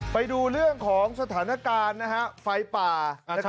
ไปดูเรื่องของสถานการณ์นะฮะไฟป่านะครับ